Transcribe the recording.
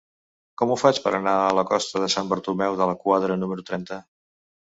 Com ho faig per anar a la costa de Sant Bartomeu de la Quadra número trenta?